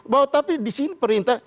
bahwa tapi di sini perintah